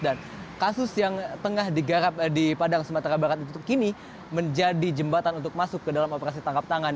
dan kasus yang tengah digarap di padang sumatera barat itu kini menjadi jembatan untuk masuk ke dalam operasi tangkap tangan